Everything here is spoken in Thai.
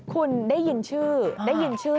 คุณได้ยินชื่อได้ยินชื่อ